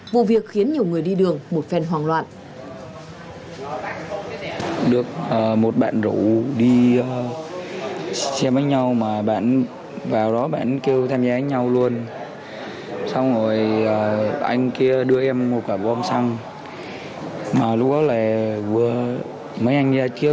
vụ việc khiến nhiều người đi đường một phần hoang loạn